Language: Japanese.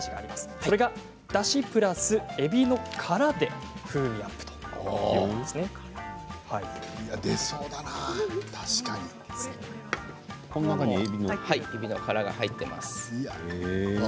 それがだしプラスえびの殻でこの中にえびの殻が入っています。